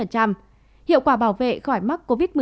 hiệu quả bảo vệ khỏi mắc covid một mươi chín nặng là bảy mươi chín